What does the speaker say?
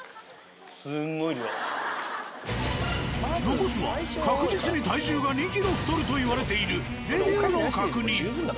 残すは確実に体重が２ｋｇ太ると言われているレビューの確認。